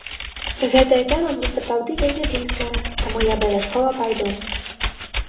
Гэтая тэма мне сапраўды вельмі блізкая, таму я абавязкова пайду.